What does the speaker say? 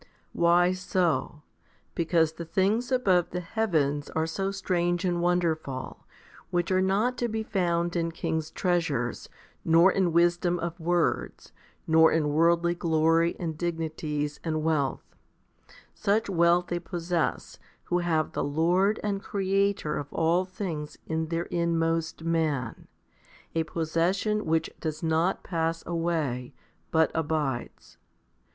43. Why so ? Because the things above the heavens are so strange and wonderful, which are not to be found in kings' treasures, nor in wisdom of words, nor in worldly glory, and dignities, and wealth such wealth they possess, who have the Lord and Creator of all things in their inmost man, a possession which does not pass away, but abides.